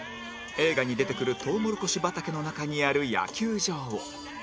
映画に出てくるとうもろこし畑の中にある野球場を